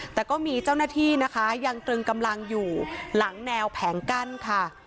แต่ก็มีเจ้าหน้าที่นะคะยังตรึงกำลังอยู่หลังแนวแผงกั้นค่ะ